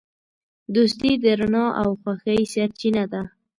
دوستي د رڼا او خوښۍ سرچینه ده.